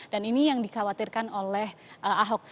dan ini yang dikhawatirkan oleh ahok